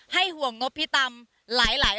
ให้ห่วงนบพิตามหลาย